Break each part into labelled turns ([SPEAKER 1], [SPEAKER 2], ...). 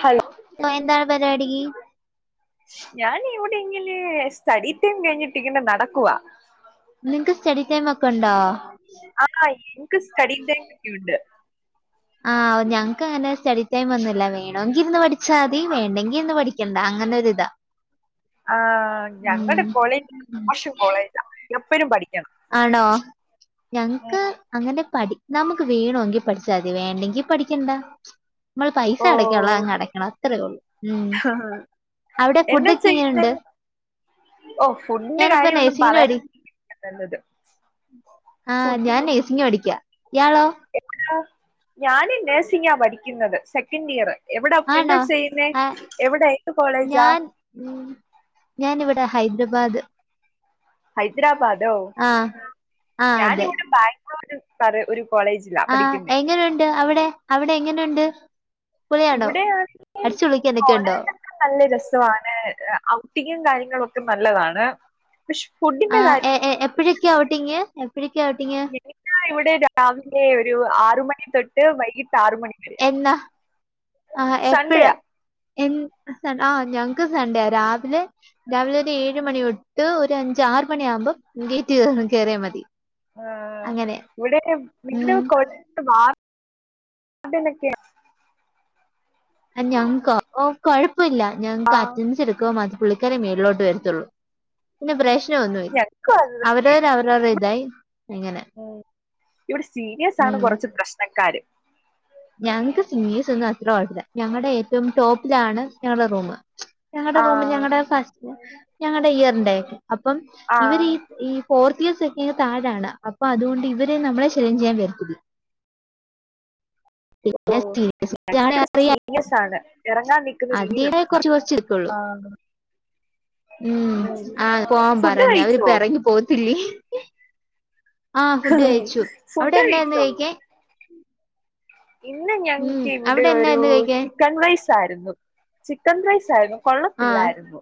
[SPEAKER 1] Hello
[SPEAKER 2] എന്താണ് പരിപാടി?
[SPEAKER 1] ഞാൻ ഇവിടെ ഇങ്ങനെ സ്റ്റഡീടൈം കഴിഞ്ഞിട്ട് ഇങ്ങനെ നടക്കുവാ
[SPEAKER 2] നിങ്ങക്ക് സ്റ്റഡി ടൈം ഒക്കെ ഒണ്ടോ
[SPEAKER 1] ആ ഇന്ക്ക് സ്റ്റഡി ടൈം ഒക്കെ ഉണ്ട്. ‌
[SPEAKER 2] ആഹ് ഞങ്ങക്ക് അങ്ങനെ സ്റ്റഡി ടൈംഒന്നുല്ല വേണമെങ്കി ഇരിന്ന് പഠിച്ചാമതി വേണ്ടെങ്കിൽ ഇന്ന് പഠ [unintelligible] അങ്ങനെ ഒരു ഇതാ
[SPEAKER 1] ആ ഞങ്ങളുടെ കോളേജ് മോശം കോളേജ എപ്പോഴും പഠിക്കണം.
[SPEAKER 2] ആണോ ഞങ്ങക്ക് അങ്ങനെ പഠി നമുക്ക് വേണോങ്കിപഠിച്ചാൽ അത് വേണ്ടെങ്കിപഠിക്കണ്ട നമ്മള് പൈസ അടക്കാനുള്ള അങ്ങ്
[SPEAKER 1] ഓഹ്
[SPEAKER 2] അടക്കണം അത്രേള്ളൂ ഉം അവിടെ
[SPEAKER 1] എന്നാ
[SPEAKER 2] ഫുഡൊക്കെ എങ്ങനെയുണ്ട്
[SPEAKER 1] ചെയ്യുന്നത് ഓ ഫുഡിന്റെ
[SPEAKER 2] ഞാനിപ്പോ
[SPEAKER 1] കാര്യംഒന്നും
[SPEAKER 2] നഴ്സിങ്ങിന്
[SPEAKER 1] പറയാ
[SPEAKER 2] പഠി
[SPEAKER 1] തി രിക്കുന്നതാ നല്ലത്
[SPEAKER 2] ആ
[SPEAKER 1] ഫുഡ്
[SPEAKER 2] ഞാൻ നഴ്സിംഗ് പഠിക്കാ ഇയാളോ?
[SPEAKER 1] [inaudible] ഞാന് നേഴ്സിംഗാ പഠിക്കുന്നത് സെക്കൻഡിയറ് എവിടാ
[SPEAKER 2] ആണോ
[SPEAKER 1] എന്താ ചെയ്യുന്നേ
[SPEAKER 2] ആ
[SPEAKER 1] എവിടെ ഏത് കോളേജാ?
[SPEAKER 2] ഞാൻ ഉം ഞാനിവിടെ ഹൈദരാബാദ്.
[SPEAKER 1] ഹൈദരാബാദോ
[SPEAKER 2] ആ ആ അതെ
[SPEAKER 1] ഞാനിവിടെ ബാംഗ്ലൂര് [unintelligible] ഒരു കോളേജ്.
[SPEAKER 2] ആ എങ്ങനെ ഉണ്ട് അവിടെ അവിടെ എങ്ങനെ ഉണ്ട്? പുളിയാണോ
[SPEAKER 1] ഇവിടെയാണെങ്കിലും
[SPEAKER 2] അടിച്ച് പൊളിക്ക് എന്തൊക്കെയുണ്ടോ?
[SPEAKER 1] കോളേജൊക്കെ നല്ല രസമാണ് ഔട്ടിങ്ങും കാര്യങ്ങളുംഒക്കെ നല്ലതാണ് പക്ഷെ ഫുഡിന്റെ
[SPEAKER 2] ആഹ് എ
[SPEAKER 1] കാര്യം
[SPEAKER 2] എ എപ്പഴൊക്കെ ഔട്ടിങ് എപ്പഴൊക്കെ ഔട്ടിങ്
[SPEAKER 1] നിന്നാ ഇവിടെ രാവിലെ ഒരു ആറു മണി തൊട്ട് വൈകിട്ട് ആറ് മണി വരെ.
[SPEAKER 2] എന്നാ ആഹ് എപ്പഴാ എ ആഹ് ഞങ്ങക്ക് സൺഡേ ആ രാവിലെ രാവിലെ ഒരു ഏഴ് മണിതൊട്ട് ഒരു അഞ്ച് ആറ് മണി ആവുമ്പോ ഗേറ്റ് കേ കേറിയമതി ഉം
[SPEAKER 1] [unintelligible]
[SPEAKER 2] ഞങ്ങക്കൊ ഒ കെഴപ്പമില്ല ഞങ്ങക്ക് അറ്റൻസ് എടുക്കുമ്പം മാത്രം പുള്ളിക്കാരൻ മേളിലോട്ട് വരത്തുള്ളൂ. പിന്നെ പ്രശ്നംഒന്നുമില്ല
[SPEAKER 1] ഞങ്ങക്കും അത് തന്നെ
[SPEAKER 2] അവരവര് അവരോടെഇതായിഅങ്ങനെ
[SPEAKER 1] ഉം ഇവിടെ സീനിയസ് ആണ് കുറച്ച് പ്രശ്നക്കാര്.
[SPEAKER 2] ഞങ്ങക്ക് സിംഗേഴ്സ് ഒന്നും അത്രകൊഴപ്പല്ല ഞങ്ങളുടെ ഏറ്റവും ടോപ്പിലാണ് ഞങ്ങളുടെ റൂമ് ഞങ്ങൾടെ റൂമില്
[SPEAKER 1] ആഹ്
[SPEAKER 2] ഞങ്ങടെ ഫസ്റ്റ് ഞങ്ങൾടെയ്യർന്റെകെ അപ്പം ഇവരി
[SPEAKER 1] ആഹ്
[SPEAKER 2] ഈ ഫോർത്ത് ഇയർസ് ഒക്കെ താഴെ ആണ് അപ്പൊ അതുകൊണ്ട് ഇവര് നമ്മളെ ഷൈൻ ചെയ്യാൻ വരത്തില്ല പിന്നെ സീരിയസ് ആണെ അറിയാം അതിന്റേതായ കുറച്ച്
[SPEAKER 1] [unintelligible]
[SPEAKER 2] കുറച്ച് എടുക്കുള്ളൂ
[SPEAKER 1] ആ
[SPEAKER 2] ഉം ആഹ പോവാൻ
[SPEAKER 1] ഫുഡ്
[SPEAKER 2] പറന്നേ അവരിപ്പ
[SPEAKER 1] കഴിച്ചോ
[SPEAKER 2] ഇറങ്ങി പോത്തില്ലേ ആ ഫുഡ് കഴിച്ചു
[SPEAKER 1] ഫുഡ്
[SPEAKER 2] അവിടെ എന്നാ ഇന്ന്
[SPEAKER 1] കഴിച്ചോ
[SPEAKER 2] കഴിക്കാൻ?
[SPEAKER 1] ഇന്ന്
[SPEAKER 2] ഉം
[SPEAKER 1] ഞങ്ങക്ക് ഇവിടെ
[SPEAKER 2] അവിടെ
[SPEAKER 1] ഒരു
[SPEAKER 2] എന്നായിരുന്നു കഴിക്കാൻ
[SPEAKER 1] ചിക്കൻ റൈസ് ആയിരുന്നു ചിക്കൻ റൈസ് ആയിരുന്നു
[SPEAKER 2] ആ
[SPEAKER 1] കൊള്ളത്തില്ലായിരുന്നു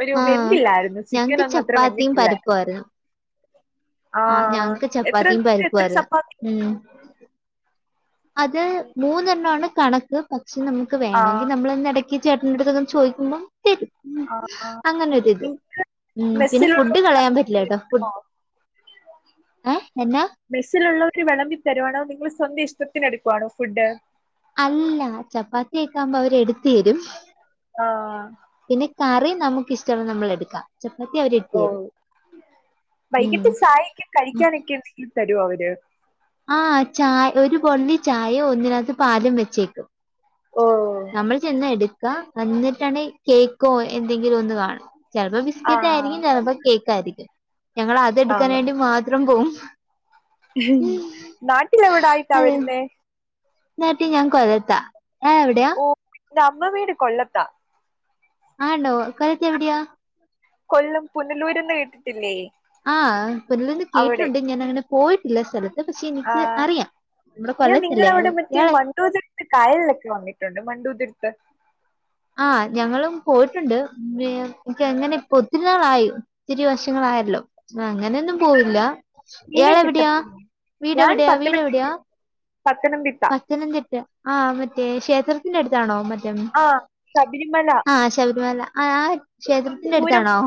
[SPEAKER 1] ഒരു
[SPEAKER 2] ആ
[SPEAKER 1] വെന്തില്ലായിരുന്നു ചിക്കൻ
[SPEAKER 2] ഞങ്ങക്ക്
[SPEAKER 1] ഒന്നും അത്ര
[SPEAKER 2] ചപ്പാത്തിയും
[SPEAKER 1] വെന്തിട്ടില്ല
[SPEAKER 2] പരിപ്പുംആയിരുന്നു.
[SPEAKER 1] ആ
[SPEAKER 2] ആഹ് ഞങ്ങക്ക്
[SPEAKER 1] എത്ര
[SPEAKER 2] ചപ്പാത്തിയും
[SPEAKER 1] എത്ര ചപ്പാത്തി
[SPEAKER 2] പരിപ്പുംആയിരുന്നു അത് മൂന്നെണ്ണമാണ് കണക്ക്, പക്ഷെ നമുക്ക്
[SPEAKER 1] ആ
[SPEAKER 2] വേണമെങ്കിൽ നമ്മൾന്ന് ഇട- ഈ ചേട്ടൻ്റട്ത്ത്ന്നും ചോദിക്കുബം ത്തരും. ഉ
[SPEAKER 1] ആ ആ
[SPEAKER 2] അങ്ങനോരിത്
[SPEAKER 1] നിങ്ങക്ക്
[SPEAKER 2] ഉ പിന്നെ ഫുഡ്
[SPEAKER 1] മെസ്സിലുള്ള
[SPEAKER 2] കളയാൻ പറ്റില്ല കേട്ടോ ഫു ഏ എന്നാ
[SPEAKER 1] മെസ്സിലുള്ളവര് വിളമ്പി തരുവാണോ നിങ്ങൾ സ്വന്തം ഇഷ്ടത്തിന് എടുക്കുവാണോ ഫുഡ്
[SPEAKER 2] അല്ല ചപ്പാത്തിക്കാകുമ്പോ അവര് എടുത്ത് തരും.
[SPEAKER 1] ആ
[SPEAKER 2] പിന്നെ കറി നമക്ക് ഇഷ്ടള്ള നമ്മക്കെട്ക്ക
[SPEAKER 1] ഓ വൈകിട്ട്
[SPEAKER 2] ഉം
[SPEAKER 1] ചായക്കെ കഴിക്കാനൊക്കെ എന്തെങ്കിലും തരോ അവര്?
[SPEAKER 2] ആ ചാ ഒരു ബൊള്ളി ചായേം ഒന്നിനകത്ത് പാലും വെച്ചേക്കും
[SPEAKER 1] ഓ
[SPEAKER 2] നമ്മൾ ചെന്ന് എടുക്ക എന്നിട്ടാണ കേക്ക് ക്കൊ എന്തെങ്കിലും ഒന്ന് കാണും ചിലപ്പോ
[SPEAKER 1] ആ
[SPEAKER 2] ബിസ്ക്കറ്റ് ആയിരിക്കും ചിലപ്പോ കേക്ക് ആയിരിക്കും. ഞങ്ങൾ
[SPEAKER 1] ആ
[SPEAKER 2] അതെടുക്കാൻ ആയിട്ട് മാത്രം പോവും.
[SPEAKER 1] നാട്ടിലെവിടായിട്ടാ വെരുന്നേ
[SPEAKER 2] ഈ നാട്ടിഞാൻ കൊല്ലത്താ എ വിടെയ
[SPEAKER 1] ഇന്റെ അമ്മ വീട് കൊല്ലത്താ
[SPEAKER 2] ആണ്ടോ കരുത്തി എവിടെയാ
[SPEAKER 1] കൊല്ലം പുനലൂരന്ന് കേട്ടിട്ടില്ലേ
[SPEAKER 2] ആഹ് പൊല്ലൊന്ന്
[SPEAKER 1] അവിടെ
[SPEAKER 2] കേട്ടിട്ടുണ്ട് ഞാൻ അങ്ങനെ പോയിട്ടില്ല സ്ഥലത്ത് അത് പക്ഷെ
[SPEAKER 1] ആ
[SPEAKER 2] എനിക്ക് അറിയാം നമ്മുടെ
[SPEAKER 1] ഞാൻ
[SPEAKER 2] കൊല്ലം ജില്ല
[SPEAKER 1] നിങ്ങടെ അവിടെ
[SPEAKER 2] ആണ്
[SPEAKER 1] മറ്റേ
[SPEAKER 2] ഇയാള്
[SPEAKER 1] മണ്ടൂതിരുത്ത് കായലിലൊക്കെ വന്നിട്ടുണ്ട് മണ്ടുതിർത്ത്
[SPEAKER 2] ആ ഞങ്ങളും പോയിട്ടുണ്ട്
[SPEAKER 1] ആ,
[SPEAKER 2] എനിക്ക് എങ്ങനെ ഇപ്പൊ ഒത്തിരിനാളായി ഒത്തിരി വശങ്ങളായല്ലോ അങ്ങനെയൊന്നും പോവില്ല.
[SPEAKER 1] മീനെ
[SPEAKER 2] യാളെവിട്യ
[SPEAKER 1] കിട്ടും ഞാൻ
[SPEAKER 2] വീടെവിട്യ വിടെവിട്യ
[SPEAKER 1] പത്തനം പി
[SPEAKER 2] പത്തനംതിട്ട ആ മറ്റേ ക്ഷേത്രത്തിന്റെ അടുത്താണോ? മറ്റേ
[SPEAKER 1] ആ ശബരിമല
[SPEAKER 2] ആഹാ... ! ശബരിമല ആഹാ ആഹാ, ക്ഷേത്രത്തിന്റെ
[SPEAKER 1] ദൂരം
[SPEAKER 2] അടുത്താണോ?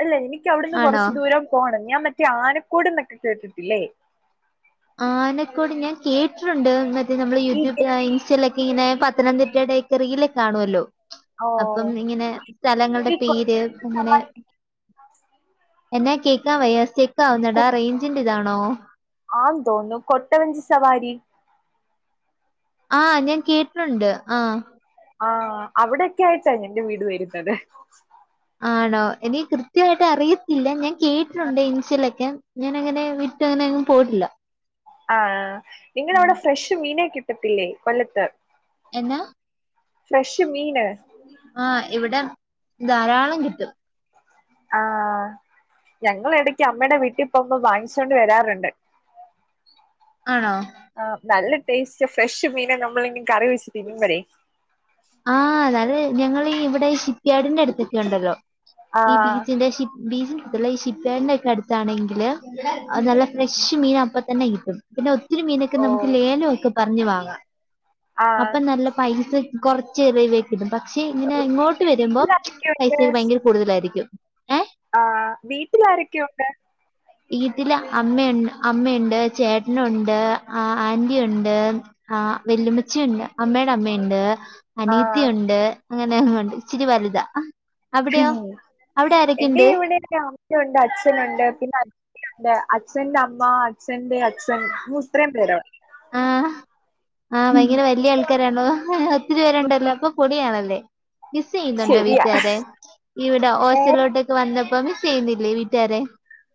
[SPEAKER 1] അല്ല എനിക്കഅവിടുന്ന്
[SPEAKER 2] ആണോ
[SPEAKER 1] കൊറച്ചു ദൂരം പോണംഞാൻമറ്റേ ആനക്കോട്ന്നൊക്കെ കേട്ടിട്ടില്ലേ
[SPEAKER 2] ആനെക്കൂടി ഞാൻ കേട്ടിട്ടുണ്ട് മറ്റേ നമ്മള്
[SPEAKER 1] ഈ
[SPEAKER 2] യൂട്യൂബ്
[SPEAKER 1] ഗ-
[SPEAKER 2] ലാ ഇൻസ്റ്റയിൽക്കെ ഇങ്ങനെ പത്തനംതിട്ട ടെ റീൽ കാണുമല്ലോ
[SPEAKER 1] ഓ
[SPEAKER 2] അപ്പം ഇങ്ങനെ
[SPEAKER 1] ഈ
[SPEAKER 2] സ്ഥലങ്ങളുടെ പേര്
[SPEAKER 1] കൊട്ടവഞ്ചി
[SPEAKER 2] ഇങ്ങനെ
[SPEAKER 1] സവാരി
[SPEAKER 2] എന്നാ കേൾക്കാൻ വയ്യ സ്റ്റെക്ക്
[SPEAKER 1] കു-
[SPEAKER 2] ആവുന്നടാ റേഞ്ചിന്റെ ഇതാണോ
[SPEAKER 1] ആന്ന് തോന്നുന്നു കൊട്ടവഞ്ചി സവാരി
[SPEAKER 2] ആഹ് ഞാൻ കേട്ടിട്ടുണ്ട് ആഹ്
[SPEAKER 1] ആ അവിടോക്കെ ആയിട്ടാന്റെ വീട് വരുന്നത്
[SPEAKER 2] ആണോ എനിക്ക് കൃത്യായിട്ട് അറിയത്തില്ല ഞാൻ കേട്ടിട്ടുണ്ട് ഇൻഷലൊക്കെ ഞാനഅങ്ങനെ വീട്ടങ്ങനെങ്ങും പോയിട്ടില്ല
[SPEAKER 1] ആഹ് നിങ്ങളെ അവിടെ ഫ്രഷ് മീന് കിട്ടത്തില്ലേ കൊല്ലത്ത്
[SPEAKER 2] എന്ന
[SPEAKER 1] ഫ്രഷ് മീന്
[SPEAKER 2] ആഹ ഇവിടെ ധാരാളം കിട്ടും
[SPEAKER 1] ആ ഞങ്ങള ഇടക്ക് അമ്മയുടെ വീട്ടിൽ പോകുമ്പോ വാങ്ങിച്ചോണ്ട് വരാറുണ്ട്
[SPEAKER 2] ആണോ
[SPEAKER 1] ആ നല്ല ടേസ്റ്റ് ഫ്രഷ് മീന നമ്മള് ഇങ്ങനെ കറി വെച്ചിട്ട് തിന്നുമ്പയേ
[SPEAKER 2] ആ അതായത് ഞങ്ങളീ ഇവടെ ഷിപ്പ്യയാർഡിന്റെ അടുത്തൊക്കെണ്ടല്ലോ ഈ
[SPEAKER 1] ആഹ്
[SPEAKER 2] ബീച്ചിന്റെ ഷി ബീഫ് കിട്ടത്തില്ല ഈ ഷിപ്പിഹാ ഡിന്റെഒക്കെ അടുത്താണെങ്കില് നല്ല ഫ്രഷ് മീൻ അപ്പ തന്നെ കിട്ടും പിന്നെ ഒത്തിരി മീനൊക്കെ നമുക്ക്
[SPEAKER 1] ഓഹ്
[SPEAKER 2] ലേലംഒക്കെ പറഞ്ഞ് വാങ്ങാം
[SPEAKER 1] ആഹ്
[SPEAKER 2] അപ്പൊ നല്ല പൈസ കൊറച്ച് ഇറിവ് പക്ഷെ ഇങ്ങനെ ഇങ്ങോട്ട് വരുമ്പം പൈസ
[SPEAKER 1] വീട്ടിലാരൊക്കെയുണ്ട്
[SPEAKER 2] ഭയങ്കര കൂടുതലായിരിക്കും ഏ
[SPEAKER 1] ആ വീട്ടിൽ ആാരൊക്കെയുണ്ട്
[SPEAKER 2] വീട്ടല് അമ്മയുണ്ട് അമ്മയുണ്ട് ചേട്ടനുണ്ട് ആന്റി ഒണ്ട് ആഹ് വല്യമ്മച്ചിയുണ്ട് അമ്മയുടെ അമ്മയുണ്ട്
[SPEAKER 1] ആഹ്
[SPEAKER 2] അനീത്തിയ ഉണ്ട് അങ്ങനെ ഉണ്ട് ഇച്ചിരി വലുതാ അവിടെയോ അവിടെ
[SPEAKER 1] എന്റെ
[SPEAKER 2] ആരൊക്കെണ്ട്
[SPEAKER 1] ഇവിടെ അമ്മയുണ്ട് അച്ഛനുണ്ട് പിന്നെ അച്ഛനുണ്ട് അച്ഛന്റെ അമ്മ അച്ഛന്റെ അച്ഛൻ ഹോ ഇത്രയും പേരോ
[SPEAKER 2] ആഹ ഭയങ്കര വലിയ ആൾക്കാരാണോ ഒത്തി പേരുണ്ടല്ലോ അപ്പൊ പൊളിയാണല്ലേ. മിസ് ചെയ്യുന്നുണ്ടോ
[SPEAKER 1] ശരിയാ
[SPEAKER 2] വീടാരെ ഇവിടെ ഹോസ്റ്റ്ലിലോട്ടൊക്കെ വന്നപ്പോ മിസ്സ് ചെയ്യുന്നില്ലേ വീടാരെ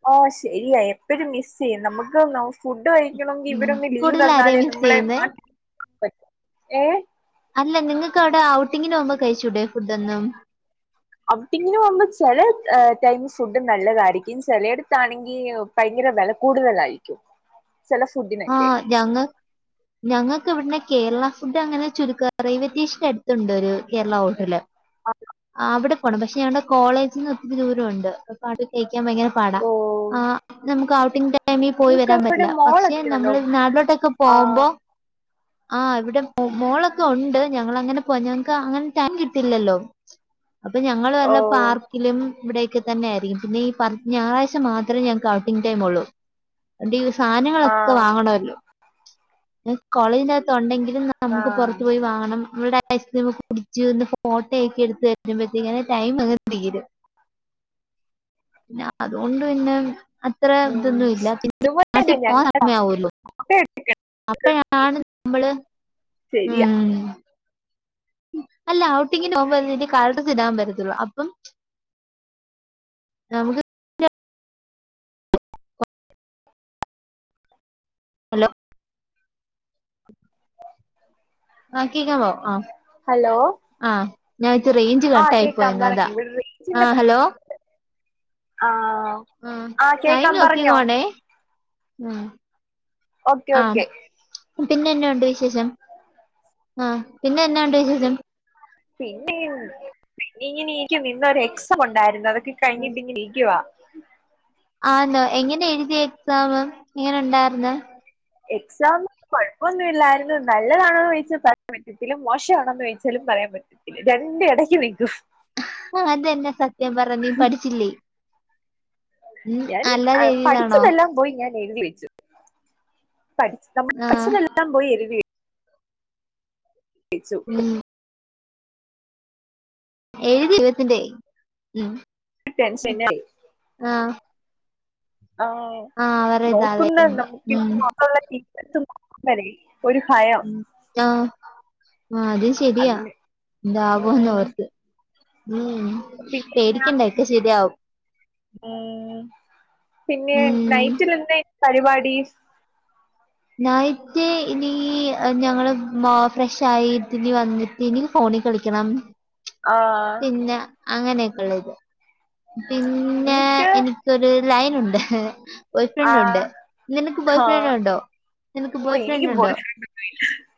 [SPEAKER 1] ആഹ് ശരിയാ എപ്പഴും മിസ് ചെയ്യും നമുക്ക് നോ ഫുഡ് വഴിക്കണമെങ്കിൽ
[SPEAKER 2] ഉം
[SPEAKER 1] ഇവരൊന്ന് ലീവ്
[SPEAKER 2] കൂടുതൽ ആരെയാ
[SPEAKER 1] തന്നാലേ
[SPEAKER 2] മിസ്
[SPEAKER 1] നമ്മളെ
[SPEAKER 2] ചെയ്യുന്നേ
[SPEAKER 1] മാറ്റ പറ്റ ഏഹ്
[SPEAKER 2] അല്ല നിങ്ങൾക്ക് അവിടെ ഔട്ടിങ്ങിനോപോവുമ്പോ കഴിച്ചൂടേ ഫുഡോന്നും.
[SPEAKER 1] ഔട്ടിങ്ങിന് പോകുമ്പോ ചില ടൈം ഫുഡ് നല്ലതായിരിക്കും ചിലയിടത്താണെങ്കിൽ ഭയങ്കര വില കൂടുതലായിരിക്കും ചെല
[SPEAKER 2] ആ
[SPEAKER 1] ഫുഡിനൊക്കെ
[SPEAKER 2] ഞങ്ങൾ ഞങ്ങക്ക് ഇവ്ട്ന്ന് കേരളാ ഫുഡങ്ങനെ ചുരുക്കാ റെയിൽവേറ്റേഷനട്ത്തുണ്ടാെരു കേരളാ ഹോട്ടല് അവിടെ പോണം പക്ഷെ ഞങ്ങളുടെ കോളേജിൽന്ന് ഒത്തിരി ദൂരഉണ്ട് പാട്ട് കേക്കാൻ ഭയങ്കര പാടാ
[SPEAKER 1] ഓ
[SPEAKER 2] ആ നമുക്ക് ഔട്ടിങ് ടൈം ടൈമി പോയി
[SPEAKER 1] നിങ്ങക്ക്
[SPEAKER 2] വരാൻ
[SPEAKER 1] അവിടെ
[SPEAKER 2] പറ്റില്ല പക്ഷെ
[SPEAKER 1] മോളൊക്കെ ഉണ്ടോ
[SPEAKER 2] നമ്മള് നാട്ടിലോട്ടൊക്കെ
[SPEAKER 1] ആ
[SPEAKER 2] പോകുമ്പോ ആഹ് ഇവിടെ മോളൊക്കെ ഒണ്ട് ഞങ്ങളങ്ങനെ പോ ഞങ്ങക്കങ്ങനെ ടൈം കിട്ടില്ലല്ലോ? അപ്പൊ ഞങ്ങള്
[SPEAKER 1] ഓ
[SPEAKER 2] വല്ല പാർക്കിലും ഇവിടെ ക്ക് തന്നൊയിരിക്കും പിന്നെ ഈ ഞായറഴ്ച മാത്രേ ഞങ്ങക്ക് ഔട്ടിംഗങ് ടൈം ഉള്ളൂ എടി
[SPEAKER 1] ആ
[SPEAKER 2] സാധനങ്ങളൊക്കെ വാങ്ങണല്ലോ കോളേജി്നകത്ത് ഉണ്ടെങ്കിലും
[SPEAKER 1] ആ
[SPEAKER 2] നമുക്ക് പുറത്തു പോയി വാങ്ങണം നമ്മടെ ഐസ്ക്രീമ ഒക്കെ കുടിച്ച്ന്ന് ഫോട്ടോയക്കെ എടുത്ത് [unintelligible] ടൈം അങ്ങനെ തീരും പിന്നെ അതുകൊണ്ട് പിന്നെ അത്രെ
[SPEAKER 1] ഉം
[SPEAKER 2] ഇതൊന്നു ഇല്ല പിന്നെ
[SPEAKER 1] ഇതുപോലെ
[SPEAKER 2] നാട്ടി
[SPEAKER 1] തന്നെ
[SPEAKER 2] പോവാൻ
[SPEAKER 1] ഞങ്ങടെ
[SPEAKER 2] സമയാവൊല്ലോ? അപ്പഴാണ് നമ്മള്
[SPEAKER 1] ശരിയാ
[SPEAKER 2] ഉം അല്ല ഔട്ടിങ്ങിന് പോകുമ്പോ കരഡസിടാൻ പറ്റത്തുള്ളൂ അപ്പം നമുക്ക് ഹലോ ആ കേക്കാവോ ആഹ്
[SPEAKER 1] ഹലോ
[SPEAKER 2] ആഹ് ഞാൻ ച്ച് റൈഞ്ച്
[SPEAKER 1] ആ
[SPEAKER 2] കട്ടായി
[SPEAKER 1] കേക്കാം പറയ്
[SPEAKER 2] പോയതോടാ
[SPEAKER 1] ഇവിടെ
[SPEAKER 2] ആ
[SPEAKER 1] റേഞ്ചിന്റെ
[SPEAKER 2] ഹലോ
[SPEAKER 1] ആഹ്
[SPEAKER 2] ആ
[SPEAKER 1] ആഹ്
[SPEAKER 2] ടൈം
[SPEAKER 1] കേക്കാം പറഞ്ഞോ
[SPEAKER 2] നോക്കിക്കോടേ ആഹ്
[SPEAKER 1] ഓക്കെ
[SPEAKER 2] ആഹ്
[SPEAKER 1] ഓക്കെ
[SPEAKER 2] പിന്നെ എന്നാ ഉണ്ട് വിശേഷം ആ പിന്നെ എന്നാ ഉണ്ട് വിശേഷം
[SPEAKER 1] പിന്നെയും പിന്നെ ഇങ്ങനെ നിക്ക് ഇന്നൊരു എക്സം ഉണ്ടായിരുന്നു അതൊക്കെ കഴിഞ്ഞിട്ട് ഇങ്ങനെ ഇരിക്കുവാ
[SPEAKER 2] ആന്നോ എങ്ങനെ എഴുതിയ എക്സാാം എങ്ങനെ ഉണ്ടായിരുന്നു
[SPEAKER 1] എക്സാം കൊഴപ്പന്നുല്ലായിരുന്നു. നല്ലതാണോന്ന് ചോയ്ച്ചാ പറയാൻ പറ്റത്തില്ല മോശമാണോന്ന് ചോയ്ച്ചാലും പറയാൻ പറ്റത്തില്ല രണ്ട് എടയ്ക്ക് നിക്കും
[SPEAKER 2] ആഹ് അതെന്നെ സത്യം പറ നീ പഠിച്ചില്ലേ ഉം
[SPEAKER 1] ഞാൻ അ
[SPEAKER 2] അല്ലാതെ എഴുതിയതാണോ?
[SPEAKER 1] പഠിച്ചതെല്ലാം പോയി ഞാൻ എഴതി വെച്ചുഠ നമ്മ
[SPEAKER 2] ആഹ്
[SPEAKER 1] പഠെല്ലാം പോയി എഴുതി [unintelligible] കഴിച്ചു
[SPEAKER 2] ഉം ഏഴു ദൈപത്തിന്റെ ഉ
[SPEAKER 1] ടെൻഷൻ ആയി [unintelligible]
[SPEAKER 2] ആഹ് അവരെ
[SPEAKER 1] നോക്കുന്നുണ്ട്
[SPEAKER 2] ഇതാലോയ്ക്കുമ്പോ
[SPEAKER 1] നമുക്ക്
[SPEAKER 2] ഉം
[SPEAKER 1] [unintelligible] ഭയം
[SPEAKER 2] അ അത് ശെരി ശരിയാ
[SPEAKER 1] അതിന് ഉം
[SPEAKER 2] എന്താവോനോർത്ത്
[SPEAKER 1] പിന്നെ
[SPEAKER 2] പേടിക്കണ്ട ഒക്കെ ശെരിയാവും
[SPEAKER 1] ഉം പിന്നെ
[SPEAKER 2] ഉം
[SPEAKER 1] നൈറ്റില് എന്തേ പരിപാടി
[SPEAKER 2] നൈറ്റ് ഇനി ഞങ്ങള് ഫ്രഷ ആയിട്ട ഇനി വന്നിട്ട് ഇനി ഫോണിൽ കളിക്കണം
[SPEAKER 1] ആഹ്
[SPEAKER 2] പിന്നെ അങ്ങനെയൊക്കെയള്ളത് പിന്നെ
[SPEAKER 1] നിനക്ക്
[SPEAKER 2] എനി എന്നിക്കൊരു ലൈൻ ഉണ്ട് ബോയ് ഫ്രണ്ട് ഉണ്ട്
[SPEAKER 1] ആഹ്
[SPEAKER 2] നിനക്ക് ബോയ് ഫ്രണ്ട്
[SPEAKER 1] ആഹ്
[SPEAKER 2] ഉണ്ടോ നിനക്ക് ബോയ് ഫ്രണ്ട് ഉണ്ടോ.
[SPEAKER 1] ഉല്ല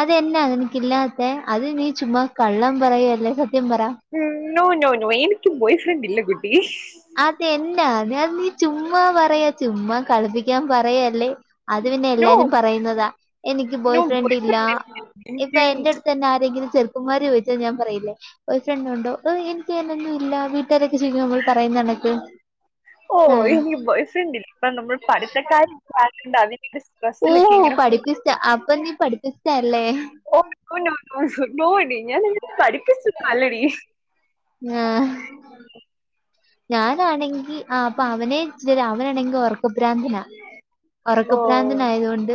[SPEAKER 2] അതെന്നാ നിനിക്കില്ലാത്തെ അത് നീ ചുമ്മാ കള്ളം പറയല്ലേ സത്യം പറയാ
[SPEAKER 1] മ് നോ നോ നോ എനിക്ക് ബോയ് ഫ്രണ്ട് ഇല്ല കുട്ടി
[SPEAKER 2] അതെന്നാ നീ ചുമ്മാ പറയാ ചുമ്മാ കളിപ്പിക്കാൻ പറയാല്ലേ. അത് പിന്നെ
[SPEAKER 1] നോ
[SPEAKER 2] എല്ലാരും പറയുന്നതാ എനിക്ക് ബോയ് ഫ്രണ്ട് ഇല്ല ഇപ്പ
[SPEAKER 1] എനിക്ക്
[SPEAKER 2] എന്റെട്തന്നെ ആരെങ്കിലും ചെർ കുമാരി ചോയിച്ചാ ഞാൻ പറയില്ലേ ബോയ്ഫ്രെഡുണ്ടോ ഓ എന്നിക്ക അങ്ങനൊനില്ല വീടാരോക്കെ ച്ചോയ്ക്കുമ്പോ പറയുന്നൊന്നക്ക്
[SPEAKER 1] ഓ എനിക്ക് ബോയ് ഫ്രണ്ടില്ല ഇപ്പനമ്മള് പഠിത്തക്കാരി ആയോണ്ട് അതി
[SPEAKER 2] ഓഹ് പഠിപ്പിസ്റ്റാ അപ്പം നീ പഠിപ്പിസ്റ്റാല്ലേ.
[SPEAKER 1] ഒ നോ നോ നോണ പഠിപ്പിസ്റ്റൊന്നല്ലടി
[SPEAKER 2] ആഹാ ഞാനാണെങ്കി ആപ്പൊ അവനെ വിളിച്ച് അവനാണെങ്കി ഒറക്കഭ്രാന്തനാ
[SPEAKER 1] ഓ
[SPEAKER 2] ഉറക്കഭ്രാന്തനായതോണ്ട്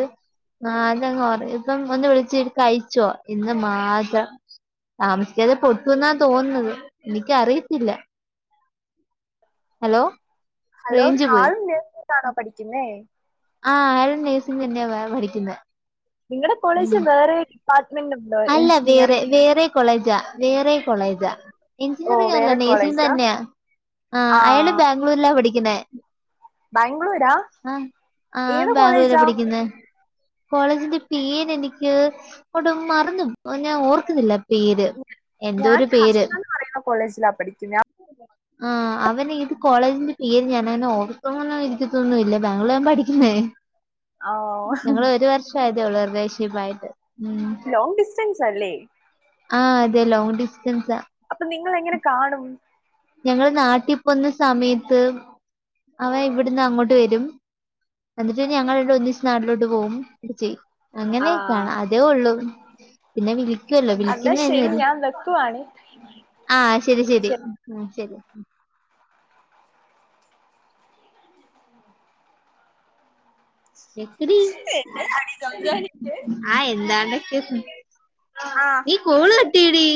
[SPEAKER 2] ആ അതങ് കൊറ ഇപ്പം ഒന്ന് വിളിച്ച കഴിച്ചോ ഇന്ന് മാത മിസ്ച്ചറ് കൊതുന്ന തോന്നുന്നത് എനിക്ക അറിയത്തില്ല ഹലോ
[SPEAKER 1] ഹലോ
[SPEAKER 2] റേഞ്ച് പോയി
[SPEAKER 1] ആളും നേഴ്സിങ്ങിനാണോ പഠിക്കുന്നേ?
[SPEAKER 2] ആഹ് അവരും നഴ്സിംഗന്നിയ വ പഠിക്കുന്നേ
[SPEAKER 1] നിങ്ങടെ കോളേജിൽ വേറെ ഡിപ്പാർട്ട്മെന്റ് ഉണ്ടോ
[SPEAKER 2] അല്ല വേറെ
[SPEAKER 1] എഞ്ചിനീയറിംഗ്
[SPEAKER 2] വേറെ കോളേജാ വേറെ കോളേജാ
[SPEAKER 1] ഓ
[SPEAKER 2] എഞ്ചിനീറിംഗ ആല്ല
[SPEAKER 1] വേറെ
[SPEAKER 2] നേഴ്സിംഗ
[SPEAKER 1] കോളേജാ
[SPEAKER 2] തന്നെയാ ആഹ്
[SPEAKER 1] ആ
[SPEAKER 2] അയാള് ബാംഗ്ലൂരിലാ പഠിക്കുന്നേ
[SPEAKER 1] ബാംഗ്ലൂരാ
[SPEAKER 2] ആഹ്
[SPEAKER 1] ഏത്
[SPEAKER 2] അവന് ബാംഗ്ലൂരാ
[SPEAKER 1] കോളേജാ
[SPEAKER 2] പഠിക്കുന്നെ കോളേജിന്റെ പേരെനിക്ക് ഒട്ടും മറന്നു ഇപ്പോ ഞാൻ ഓർക്കുന്നില്ല. പേര്
[SPEAKER 1] ഞാൻ
[SPEAKER 2] എന്തോരു
[SPEAKER 1] ഹർഷ
[SPEAKER 2] പേര്
[SPEAKER 1] എന്ന് പറയുന്ന കോളേജിലാ പഠിക്കുന്നെ
[SPEAKER 2] ആഹ് അവന ഏത് കോളേജിന്റെ പേര് ഞാൻ അവെ ഓർത്തോ [unintelligible] ഒന്നുല ബാംഗ്ലൂരാ പഠിക്കുന്നെ
[SPEAKER 1] ആ
[SPEAKER 2] ഞങ്ങള് ഒരു വർഷ ക്ഷ അത ഉള്ള റിലേഷൻഷിപ്പായിട്ടെ
[SPEAKER 1] ലോങ് ഡിസ്റ്റൻസ്സല്ലേ
[SPEAKER 2] ആഹ് അതെ ലോങ്ങ് ഡിസ്റ്റൻസാ
[SPEAKER 1] അപ്പൊ നിങ്ങളെങ്ങനെ കാണും
[SPEAKER 2] ഞങ്ങള് നാട്ടി പോവുന്ന സമയത്ത് അവൻ ഇവിടുന്നങ്ങോട്ട് വെരും എന്നിട്ട് ഞങ്ങള് രണ്ടും ഒന്നിച്ച് നാട്ടിലോട്ട് പോകും ഒക്കെചെയും.
[SPEAKER 1] ആ
[SPEAKER 2] അങ്ങനെക്കാണ് അതേ ഉള്ളൂ പിന്നെ വിളിക്കല്ലോ
[SPEAKER 1] എന്നാ ശരി
[SPEAKER 2] വിളിക്കുന്നര്
[SPEAKER 1] ഞാൻ വെക്കുവാണ്
[SPEAKER 2] ആഹ് ശരി ശരി ഉം ശരി എക്കടി
[SPEAKER 1] എന്നതാടി സംസാരിച്ചേ
[SPEAKER 2] ആ എന്താണ്ടൊക്കെ നീ കോള് കട്ട്
[SPEAKER 1] ആഹ്
[SPEAKER 2] ചെയ്യടി